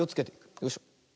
よいしょ。